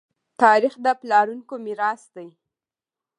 تاریخ د پلارونکو میراث دی.